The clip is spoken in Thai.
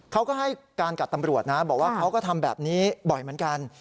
เขาก็ให้การกับตำรวจนะบอกว่าเขาก็ทำแบบนี้บ่อยเหมือนกัน